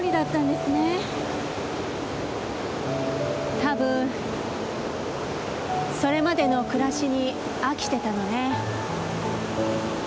多分それまでの暮らしに飽きてたのね。